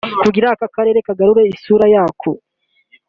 kugira ngo aka Karere kagarure isura yako